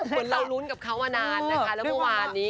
เหมือนเรารุ้นกับเขามานาน